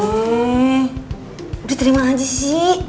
udah terima aja sih